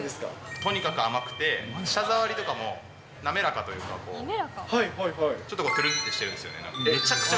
とにかく甘くて、舌触りとかも滑らかというか、ちょっととぅるんとしてるんですよね。